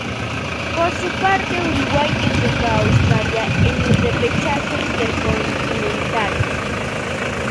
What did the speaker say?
Por su parte Uruguay enfrentó a Australia en el repechaje intercontinental.